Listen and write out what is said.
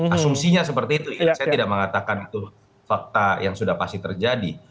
asumsinya seperti itu ya saya tidak mengatakan itu fakta yang sudah pasti terjadi